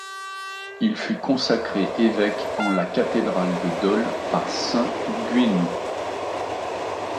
Il fut consacré évêque en la cathédrale de Dol par saint Guennou.